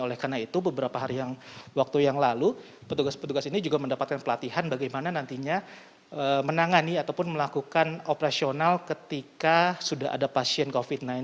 oleh karena itu beberapa hari yang waktu yang lalu petugas petugas ini juga mendapatkan pelatihan bagaimana nantinya menangani ataupun melakukan operasional ketika sudah ada pasien covid sembilan belas